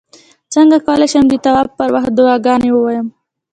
څنګه کولی شم د طواف پر وخت دعاګانې ووایم